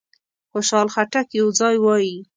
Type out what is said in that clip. خوشحال خټک یو ځای وایي.